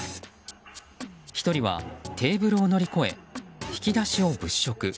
１人はテーブルを乗り越え引き出しを物色。